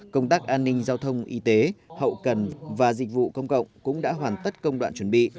công tác an ninh giao thông y tế hậu cần và dịch vụ công cộng cũng đã hoàn tất công đoạn chuẩn bị